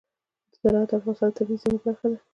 زراعت د افغانستان د طبیعي زیرمو برخه ده.